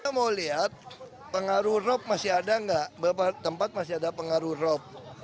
kita mau lihat pengaruh rob masih ada nggak berapa tempat masih ada pengaruh rob